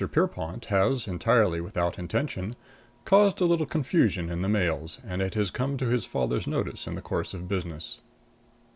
Pierrepont || has, entirely without || intention, caused a little || confusion in the mails, || and it has come to his || father's notice in the || course of business.